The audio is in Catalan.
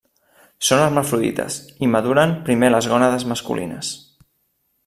Són hermafrodites, i maduren primer les gònades masculines.